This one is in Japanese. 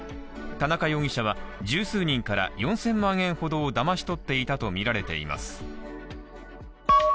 田中容疑者は１０数人から４０００万円ほどをだまし取っていたとみられています。